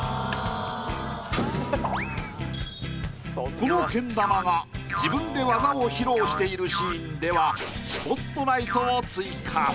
このけん玉が自分で技を披露しているシーンではスポットライトを追加。